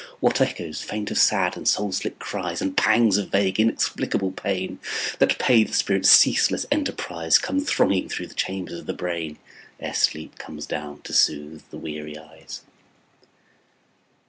What echoes faint of sad and soul sick cries, And pangs of vague inexplicable pain That pay the spirit's ceaseless enterprise, Come thronging through the chambers of the brain Ere sleep comes down to soothe the weary eyes.